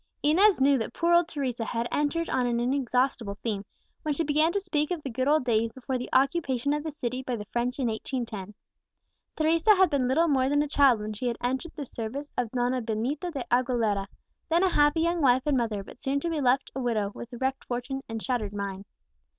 Inez knew that poor old Teresa had entered on an inexhaustible theme when she began to speak of the good old days before the occupation of the city by the French in 1810. Teresa had been little more than a child when she had entered the service of Donna Benita de Aguilera, then a happy young wife and mother, but soon to be left a widow with wrecked fortune and shattered mind.